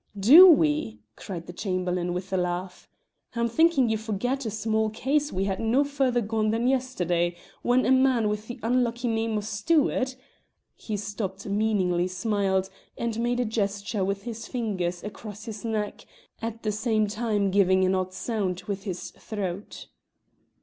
"Do we?" cried the Chamberlain, with a laugh. "I'm thinking ye forget a small case we had no further gone than yesterday, when a man with the unlucky name of Stewart " He stopped, meaningly smiled, and made a gesture with his fingers across his neck, at the same time giving an odd sound with his throat.